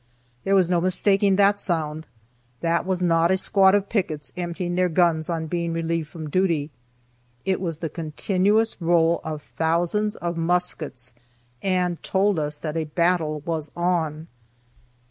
There was no mistaking that sound. That was not a squad of pickets emptying their guns on being relieved from duty; it was the continuous roll of thousands of muskets, and told us that a battle was on.